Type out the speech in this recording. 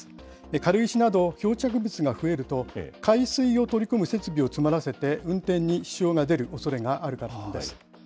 軽石など、漂着物が増えると、海水を取り組む施設を詰まらせて運転に支障が出るおそれがあるからです。